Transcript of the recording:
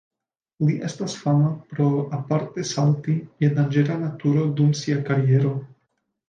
Li estas fama pro aparte salti je danĝera naturo dum sia kariero.